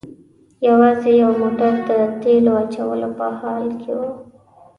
یوازې یو موټر د تیلو اچولو په حال کې و.